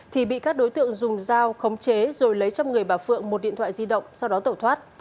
thì bị các đối tượng dùng dao khống chế rồi lấy trong người bà phượng một điện thoại di động sau đó tẩu thoát